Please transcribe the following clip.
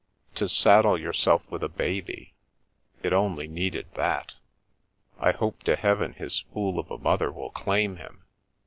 " To saddle yourself with a baby ! It only needed that! I hope to heaven his fool of a mother will claim him."